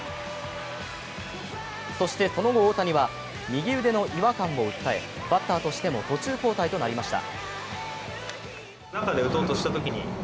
そしてその後大谷は右腕の違和感を訴え、バッターとしても途中交代となりました。